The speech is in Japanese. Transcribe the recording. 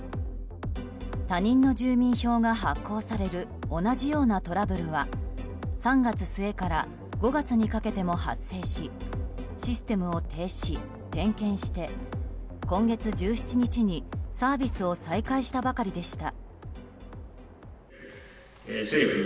他人の住民票が発行される同じようなトラブルは３月末から５月にかけても発生しシステムを停止・点検して今月１７日にサービスを再開したばかりでした。